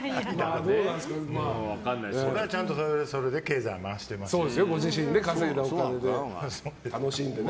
それは、ちゃんとそれで経済を回してますから。